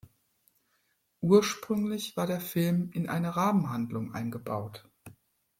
Ursprünglich war der Film in eine Rahmenhandlung eingebaut.